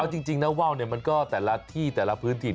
เอาจริงนะว่าวมันก็แต่ละที่แต่ละพื้นถิ่น